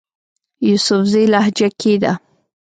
يوسفزئ لهجه کښې ده